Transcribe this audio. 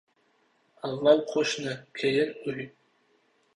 • Avval qo‘shni, keyin uy.